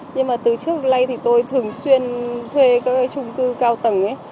nhưng mà từ trước lây thì tôi thường xuyên thuê các cái trung cư cao tầng ấy